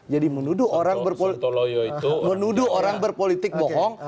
jadi menuduh orang berpolitik bohong